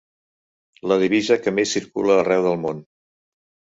La divisa que més circula arreu del món.